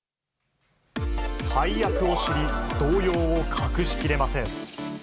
配役を知り、動揺を隠しきれません。